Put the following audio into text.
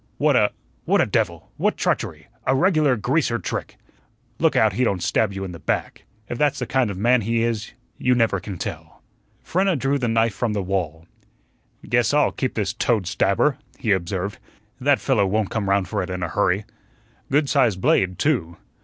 "What a what a devil! What treachery! A regular greaser trick!" "Look out he don't stab you in the back. If that's the kind of man he is, you never can tell." Frenna drew the knife from the wall. "Guess I'll keep this toad stabber," he observed. "That fellow won't come round for it in a hurry; goodsized blade, too."